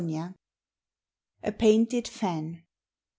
385 A PAINTED FAN.